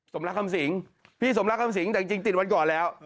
รักคำสิงพี่สมรักคำสิงแต่จริงติดวันก่อนแล้ว